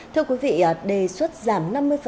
thưa quý vị đề xuất giảm năm mươi